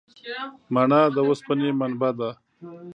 مڼه د اوسپنې منبع ده.